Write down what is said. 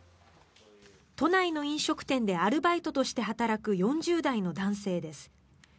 都内の飲食店でアルバイトとして働く４０代の男性です。